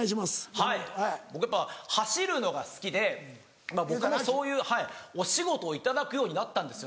はい僕やっぱ走るのが好きで僕もそういうお仕事を頂くようになったんですよ